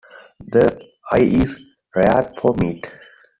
The I is reared for meat.